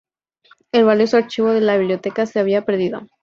El valioso archivo de la biblioteca se había perdido.